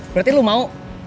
berarti lu mau